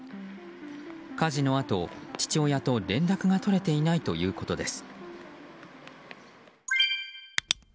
火事のあと、父親と連絡が取れていないということです。